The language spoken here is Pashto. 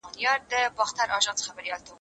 زه پرون کالي مينځل!؟